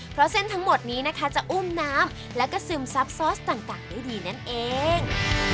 เพราะเส้นทั้งหมดนี้นะคะจะอุ้มน้ำแล้วก็ซึมซับซอสต่างได้ดีนั่นเอง